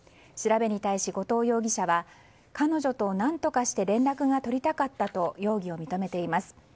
調べに対し、後藤容疑者は彼女と何とかして連絡が取りたかったと容疑を認めています。